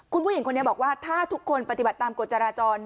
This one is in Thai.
คุณผู้หญิงคนนี้บอกว่าถ้าทุกคนปฏิบัติตามกฎจราจร